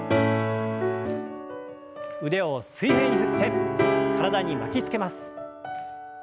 腕を水平に振って体に巻きつけます。